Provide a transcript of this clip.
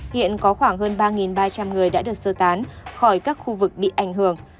hiện có khoảng hơn ba ba trăm linh người đã được sơ tán khỏi các khu vực bị ảnh hưởng